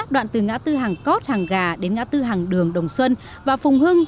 đoạn từ ngã tư hàng cót hàng gà đến ngã tư hàng đường đồng xuân và phùng hưng